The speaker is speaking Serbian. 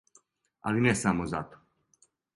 Али не само зато.